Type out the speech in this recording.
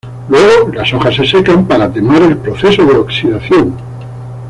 Luego las hojas se "secan" para atenuar el proceso de oxidación.